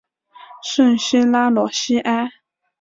圣西拉罗西埃。